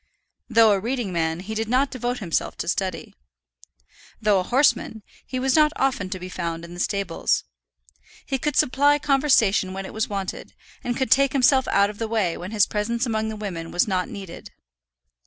Though a reading man, he did not devote himself to study. Though a horseman, he was not often to be found in the stables. He could supply conversation when it was wanted, and could take himself out of the way when his presence among the women was not needed.